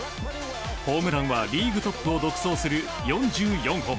ホームランはリーグトップを独走する４４本。